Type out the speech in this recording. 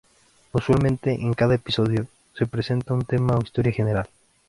Usualmente en cada episodio, se presenta un tema o historia general.